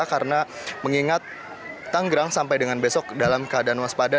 karena mengingat tangerang sampai dengan besok dalam keadaan waspada